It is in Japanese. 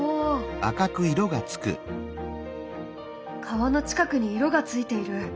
川の近くに色がついている。